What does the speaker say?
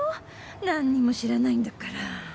なんにも知らないんだから。